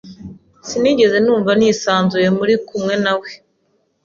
Sinigeze numva nisanzuye muri kumwe na we.